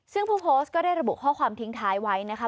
ซึ่งผู้โพสต์ก็ได้ระบุข้อความทิ้งท้ายไว้นะคะ